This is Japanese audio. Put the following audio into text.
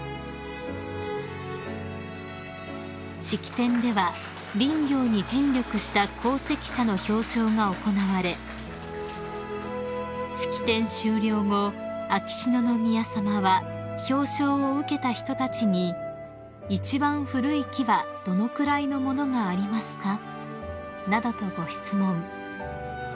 ［式典では林業に尽力した功績者の表彰が行われ式典終了後秋篠宮さまは表彰を受けた人たちに「一番古い木はどのくらいのものがありますか？」などとご質問］